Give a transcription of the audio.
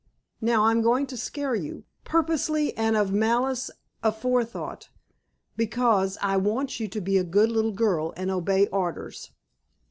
Now, I'm going to scare you, purposely and of malice aforethought, because I want you to be a good little girl, and obey orders.